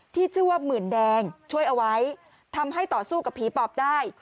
ที่ชื่อว่าหมื่นแดงช่วยเอาไว้ทำให้ต่อสู้กับผีปอบได้